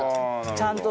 ちゃんと。